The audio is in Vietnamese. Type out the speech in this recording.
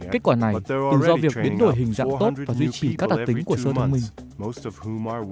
kết quả này từ do việc biến đổi hình dạng tốt và duy trì các đặc tính của sơ thông minh